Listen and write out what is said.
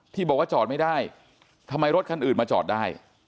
ที่บอกว่าจอดไม่ได้ทำไมรถคันอื่นมาจอดได้